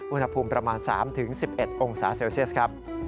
อุณหภูมิประมาณ๓๑๑องศาเซลเซียสครับ